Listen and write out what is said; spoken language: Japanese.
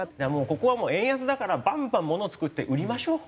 ここはもう円安だからバンバンものを作って売りましょう。